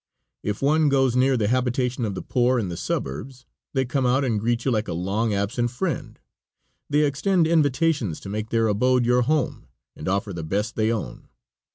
If one goes near the habitation of the poor in the suburbs, they come out and greet you like a long absent friend. They extend invitations to make their abode your home, and offer the best they own.